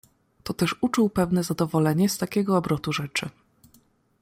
"To też uczuł pewne zadowolenie z takiego obrotu rzeczy."